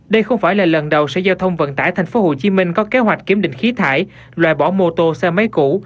đây không phải là lần đầu sở giao thông vận tải tp hcm có kế hoạch kiểm định khí thải loại bỏ mô tô xe máy cũ